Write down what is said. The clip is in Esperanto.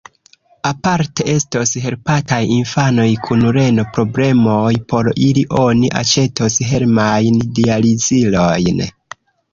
Aparte estos helpataj infanoj kun reno-problemoj: por ili oni aĉetos hejmajn dializilojn.